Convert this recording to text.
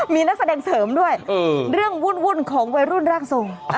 มีนักแสดงเสริมด้วยเรื่องวุ่นของวัยรุ่นร่างทรง